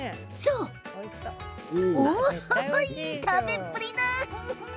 いい食べっぷり。